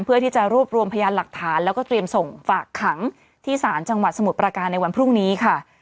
เพื่อที่จะรวบรวมพยานหลักฐานแล้วก็เตรียมส่งฝากขังที่ศาลจังหวัดสมุทรประการในวันพรุ่งนี้ค่ะ